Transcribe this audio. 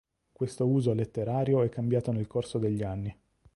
Questo uso letterario è cambiato nel corso degli anni.